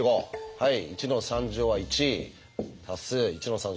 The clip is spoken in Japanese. はい。